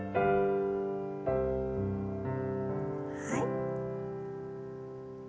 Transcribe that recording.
はい。